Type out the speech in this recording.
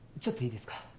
ちょっといいですか？